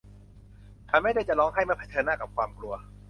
ฉันไม่ได้จะร้องไห้เมื่อเผชิญหน้ากับความกลัว